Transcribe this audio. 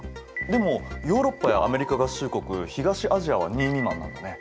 でもヨーロッパやアメリカ合衆国東アジアは２未満なんだね。